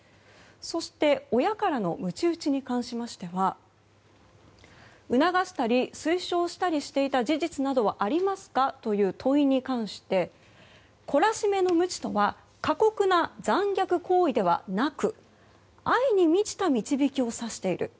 そして親からの鞭打ちに関しては促したり推奨したりしていた事実はありますかという問いに関して懲らしめの鞭とは過酷な残虐行為ではなく愛に満ちた導きを指している。